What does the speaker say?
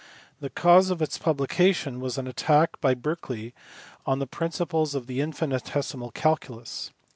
The cause of its publication was an attack by Berkeley on the principles of the infinitesimal calculus.